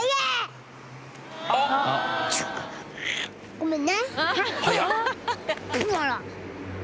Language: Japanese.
ごめんね！